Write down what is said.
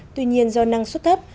tuy nhiên do năng suất thấp